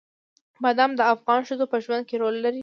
بادام د افغان ښځو په ژوند کې رول لري.